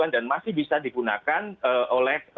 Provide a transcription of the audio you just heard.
dan masih bisa digunakan oleh